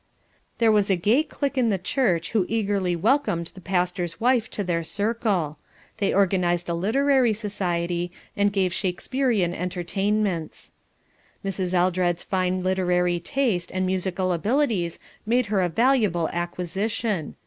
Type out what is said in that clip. There was a gay clique in the church who eagerly welcomed the pastor's wife to their circle. They organised a literary society and gave Shakespearian entertainments. Mrs. Eldred's fine literary taste and musical abilities made her a valuable acquisition.